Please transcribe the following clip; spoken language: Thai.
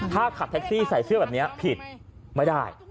ถ้าขับแท็กซี่ใส่เสื้อแบบนี้ผิดไม่ได้